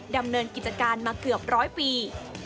ดำเนินกิจการมาเกือบร้อยปี